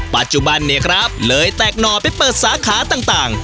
ปัจจุบันเนี่ยครับเลยแตกหน่อไปเปิดสาขาต่าง